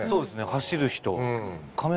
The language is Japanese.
走る人。